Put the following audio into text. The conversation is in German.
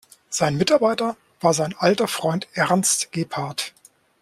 Sein Mitarbeiter war sein alter Freund Ernst Gebhardt.